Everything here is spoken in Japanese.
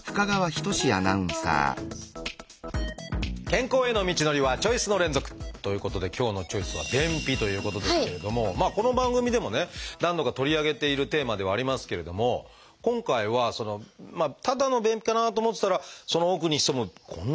健康への道のりはチョイスの連続！ということで今日の「チョイス」はこの番組でもね何度か取り上げているテーマではありますけれども今回はただの便秘かなと思ってたらその奥に潜むこんな病気があったと。